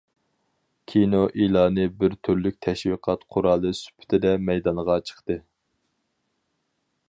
كىنو ئېلانى بىر تۈرلۈك تەشۋىقات قورالى سۈپىتىدە مەيدانغا چىقتى.